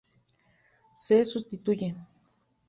Se sustituye.